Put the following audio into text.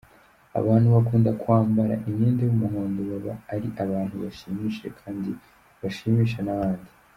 Abantu bakunda kwambara imyenda y’umuhondo baba ari abantu bashimishije kandi bashimisha n’abandi.